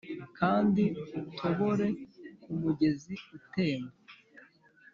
kandi utobore kumugezi utemba.